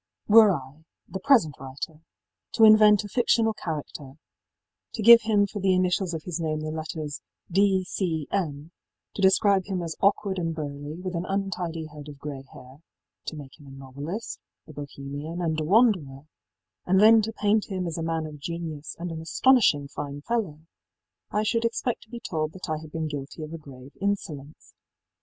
í Were I, the present writer, to invent a fictional character, to give him for the initials of his name the letters D. C. M., to describe him as awkward and burly, with an untidy head of grey hair, to make him a novelist, a Bohemian and a wanderer, and then to paint him as a man of genius and an astonishing fine fellow, I should expect to be told that I had been guilty of a grave insolence.